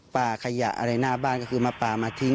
ขยะอะไรหน้าบ้านก็คือมาปลามาทิ้ง